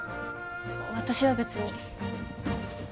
私は別に。